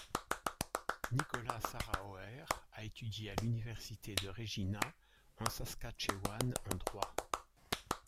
Nicola Sarauer a étudié à l'Université de Regina en Saskatchewan en droit.